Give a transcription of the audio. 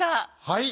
はい。